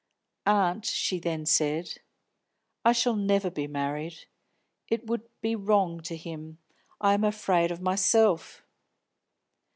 "Aunt," she then said, "I shall never be married. It would be wrong to him. I am afraid of myself."